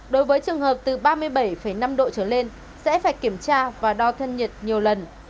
đối với trường hợp từ ba mươi bảy năm độ trở lên sẽ phải kiểm tra và đo thân nhiệt nhiều lần